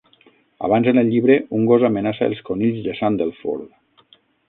Abans en el llibre, un gos amenaça els conills de Sandleford.